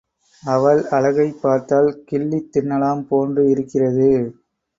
அவள் அழகைப் பார்த்தால் கிள்ளித் தின்னலாம் என்று இருக்கிறது